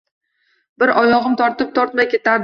Biroz oyogʻim tortib tortmay ketardim.